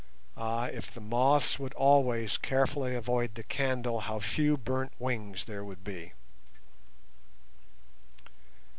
Ah, if the moths would always carefully avoid the candle, how few burnt wings there would be!